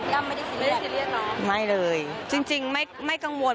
ย้ำไม่ได้ซีเรียสเหรอไม่เลยจริงไม่กังวล